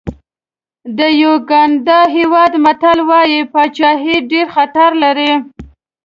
د یوګانډا هېواد متل وایي پاچاهي ډېر خطر لري.